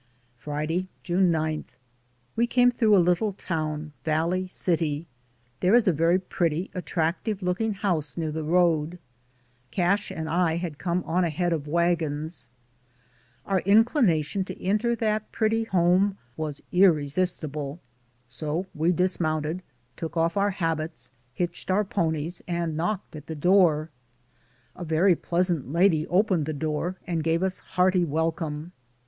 Friday, June 9. We came through a little town — Valley City. There is a very pretty attractive look ing house near the road. Cash and I had come on ahead of wagons. Our inclination DAYS ON THE ROAD. 8i to enter that pretty home was irresistible, so we dismounted, took off our habits, hitched our ponies, and knocked at the door. A very pleasant lady opened the door and gave us hearty welcome.